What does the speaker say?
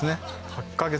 ８か月